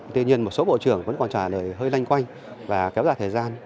tuy nhiên một số bộ trưởng vẫn còn trả lời hơi lanh quanh và kéo dài thời gian